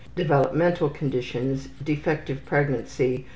Developmental conditions: Defective pregnancy.